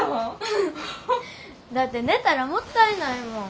だって寝たらもったいないもん。